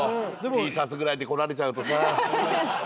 Ｔシャツぐらいで来られちゃうとさ。